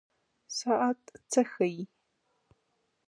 ساعت څه ښيي؟